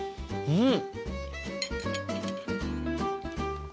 うん？